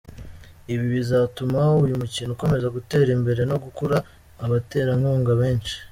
Ibi bizatuma uyu mukino ukomeza gutera imbere no gukurura abaterankunga benshi.